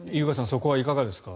そこはいかがですか。